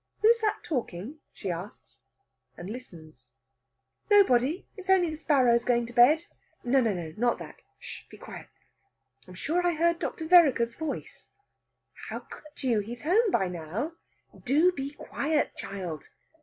"Who's that talking?" she asks, and listens. "Nobody. It's only the sparrows going to bed." "No, no; not that! Shish! be quiet! I'm sure I heard Dr. Vereker's voice " "How could you? He's home by now." "Do be quiet, child!"